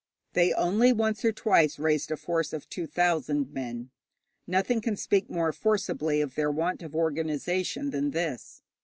They only once or twice raised a force of two thousand men. Nothing can speak more forcibly of their want of organization than this.